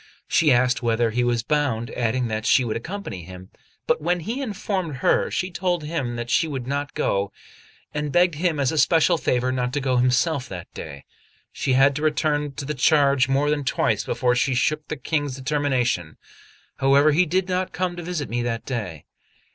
She asked whither he was bound, adding that she would accompany him; but when he informed her, she told him that she would not go, and begged him as a special favour not to go himself that day. She had to return to the charge more than twice before she shook the King's determination; however, he did not come to visit me that day.